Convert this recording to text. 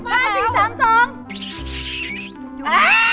เขารักมากแล้ว